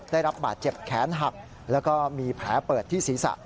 ได้รับบาดเจ็บแขนหักแล้วก็มีแผลเปิดที่ศีรษะ